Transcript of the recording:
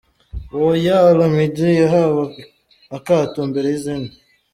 Wo ya Olamide yahawe akato mbere y’izindi.